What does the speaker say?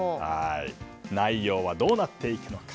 内容はどうなっていくのか。